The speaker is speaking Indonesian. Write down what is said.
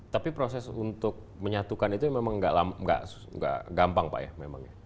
tapi proses untuk menyatukan itu memang gak gampang pak ya